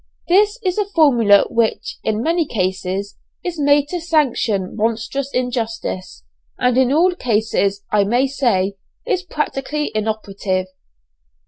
This is a formula which, in many cases, is made to sanction monstrous injustice, and in all cases, I may say, is practically inoperative.